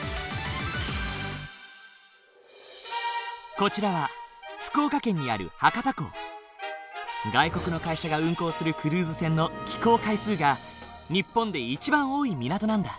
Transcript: こちらは福岡県にある外国の会社が運航するクルーズ船の寄港回数が日本で一番多い港なんだ。